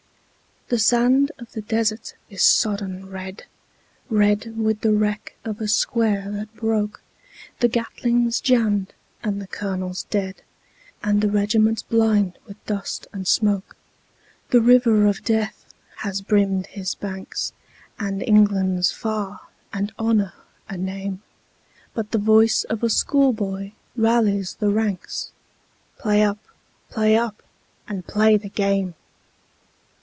The sand of the desert is sodden red, Red with the wreck of a square that broke; The Gatling's jammed and the colonel dead, And the regiment blind with dust and smoke. The river of death has brimmed his banks, And England's far, and Honour a name, But the voice of schoolboy rallies the ranks, "Play up! play up! and play the game!"